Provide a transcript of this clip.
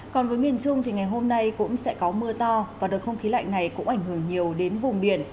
còn với miền trung thì ngày hôm nay cũng sẽ có mưa to và đợt không khí lạnh này cũng ảnh hưởng nhiều đến vùng biển